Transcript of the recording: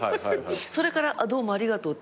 それからどうもありがとうって。